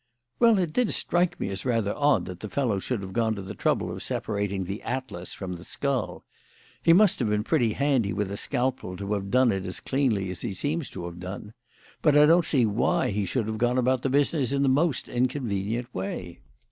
"Well, it did strike me as rather odd that the fellow should have gone to the trouble of separating the atlas from the skull. He must have been pretty handy with the scalpel to have done it as cleanly as he seems to have done; but I don't see why he should have gone about the business in the most inconvenient way."